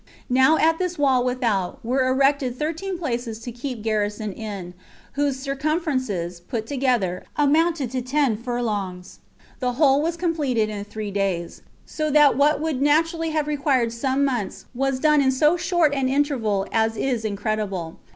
Now at this wall without were erected thirteen places to keep garrison in, whose circumferences, put together, amounted to ten furlongs; the whole was completed in three days; so that what would naturally have required some months was done in so short an interval as is incredible.